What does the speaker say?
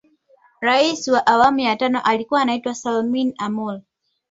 Rais wa awamu ya tano alikuwa anaitwa Salmin Amour